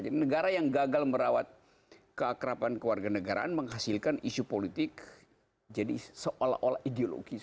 ini negara yang gagal merawat keakrapan keluarga negaraan menghasilkan isu politik jadi seolah olah ideologis